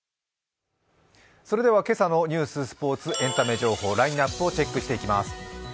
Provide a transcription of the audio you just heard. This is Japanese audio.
それでは今朝のニュース、スポーツ、エンタメ情報、ラインナップをチェックしていきます。